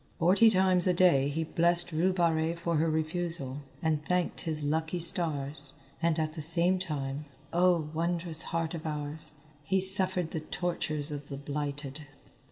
Forty times a day he blessed Rue Barrée for her refusal, and thanked his lucky stars, and at the same time, oh, wondrous heart of ours! he suffered the tortures of the blighted.